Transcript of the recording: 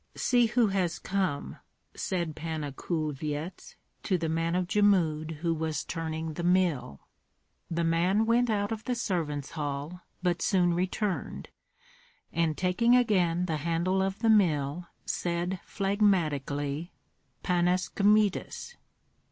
"See who has come," said Panna Kulvyets to the man of Jmud who was turning the mill. The man went out of the servants' hall, but soon returned, and taking again the handle of the mill, said phlegmatically, "Panas Kmitas."